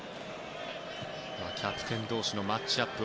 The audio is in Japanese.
キャプテン同士のマッチアップ